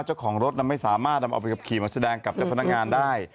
เจ้าของรถไม่สามารถนำออกไปขับขี่มาแสดงกับเจ้าพนักงานได้